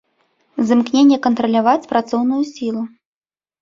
З імкнення кантраляваць працоўную сілу.